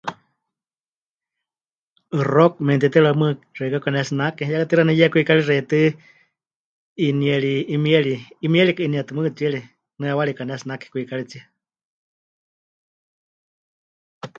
Rock memɨte'itérɨwa mɨɨkɨ xeikɨ́a pɨkanetsinake, ya katixaɨ 'iyá kwikari xewítɨ 'inieri, 'imieri, 'imierikɨ 'iniétɨ mɨɨkɨ tsiere nɨawarika pɨkanetsinake kwikaritsie.